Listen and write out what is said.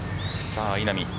さあ、稲見。